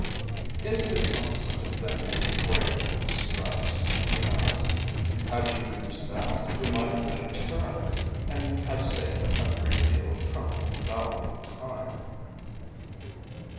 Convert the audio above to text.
"Is there not such a thing as the Oriental Express?" he asked. "Had you used that, we might have met at Turin, and have saved a great deal of trouble and valuable time."